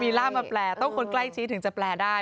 มีล่ามาแปลต้องคนใกล้ชิดถึงจะแปลได้